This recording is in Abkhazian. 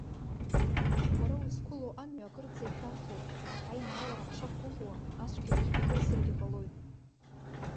Уара узқәыло амҩа акырӡа ишәарҭоуп, аинаалара ҳшақәгәыӷуа, ацәгьарахь икылсыргьы ҟалоит.